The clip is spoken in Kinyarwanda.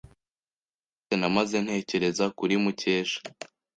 Umunsi wose namaze ntekereza kuri Mukesha.